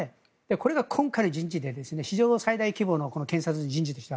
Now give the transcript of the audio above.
これが今回の人事で史上最大規模の検察人事でした。